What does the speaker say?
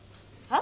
あ！